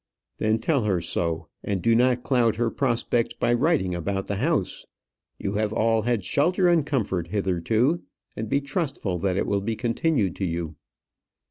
"Then tell her so, and do not cloud her prospects by writing about the house. You have all had shelter and comfort hitherto, and be trustful that it will be continued to you."